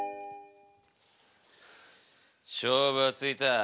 勝負はついた。